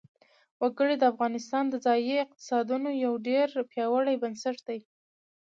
وګړي د افغانستان د ځایي اقتصادونو یو ډېر پیاوړی بنسټ دی.